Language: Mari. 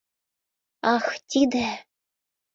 Ах, тиде...